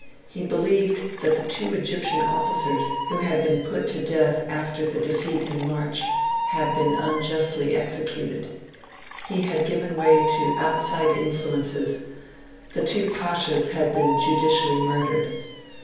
He believed that the two Egyptian officers, who had been put to death after the defeat in March, had been unjustly executed. He had given way to 'outside influences'; the two Pashas had been 'judicially murdered'.